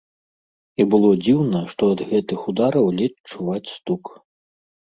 І было дзіўна, што ад гэтых удараў ледзь чуваць стук.